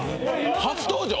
初登場⁉